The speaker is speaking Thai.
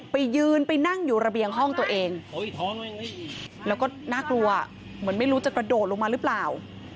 ไปยืนไปนั่งอยู่ระเบียงห้องตัวเองแล้วก็น่ากลัวเหมือนไม่รู้จะกระโดดลงมาหรือเปล่า